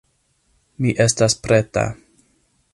Mi estas preta...